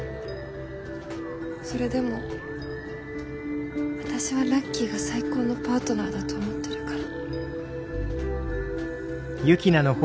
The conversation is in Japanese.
それでも私はラッキーが最高のパートナーだと思ってるから。